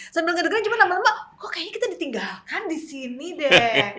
sambil ngedegernya cuma lama lama kok kayaknya kita ditinggalkan disini deh